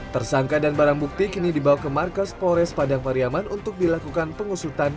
tersangka dan barang bukti kini dibawa ke markas polres padang pariaman untuk dilakukan pengusutan